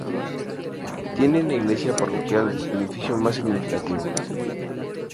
Tiene en la iglesia parroquial su edificio más significativo.